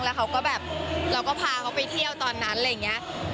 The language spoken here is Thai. แล้วเขาก็แบบเราก็พาเขาไปเที่ยวตอนนั้นอะไรอย่างนี้